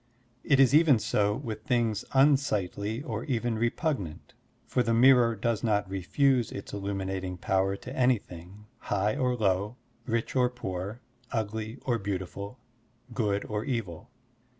It is even so with things tmsightly or even repugnant, for the miitor does not refuse its illtmiinating power to anything, high or low, rich or poor, ugly or beautiful, good or evil.